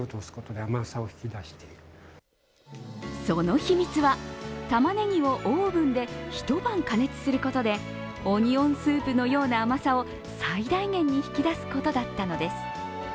その秘密は、たまねぎをオーブンで一晩加熱することでオニオンスープのような甘さを最大限に引き出すことだったのです。